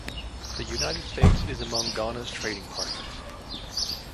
The United States is among Ghana's trading partners.